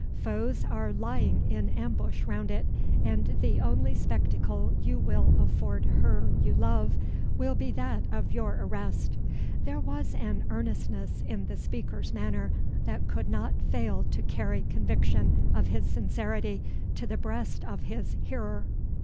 Foes are lying in ambush round it; and the only spectacle you will afford her you love will be that of your arrest." There was an earnestness in the speaker's manner that could not fail to carry conviction of his sincerity to the breast of his hearer.